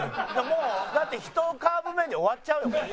「もうだって１カーブ目で終わっちゃうよ」